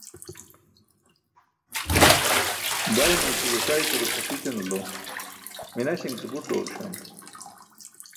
baymo ike ġusaykaro tʰapićanulo minaśiṅ ce buṭ dooruśam